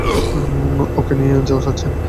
ওকে নিয়ে যাও, সার্জেন্ট!